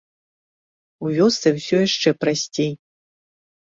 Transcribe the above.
У вёсцы ўсё яшчэ прасцей.